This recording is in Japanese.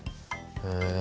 へえ。